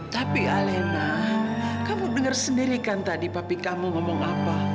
tapi elena kamu dengar sendiri kan tadi papi kamu ngomong apa